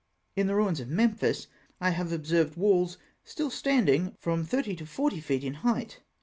In the ruins of Memphis, I have observed walls still standing from thirty to forty feet in height.